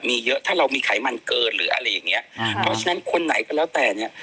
มีเยอะถ้าเรามีไขมันเกินหรืออะไรอย่างเงี้ยอ่าเพราะฉะนั้นคนไหนก็แล้วแต่เนี้ย